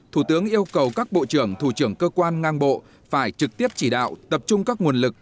thủ tướng yêu cầu các bộ trưởng thủ trưởng cơ quan ngang bộ phải trực tiếp chỉ đạo tập trung các nguồn lực